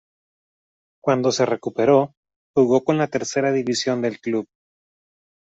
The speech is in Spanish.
Cuando se recuperó, jugó con la Tercera División del club.